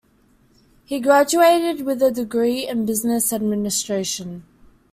He graduated with a degree in business administration.